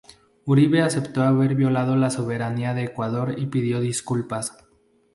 Uribe aceptó haber violado la soberanía de Ecuador y pidió disculpas.